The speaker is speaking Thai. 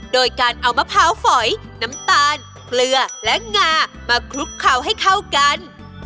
โดยการเอามะพร้าวฝอยน้ำตาลเกลือและงามาคลุกเคล้าให้เข้ากัน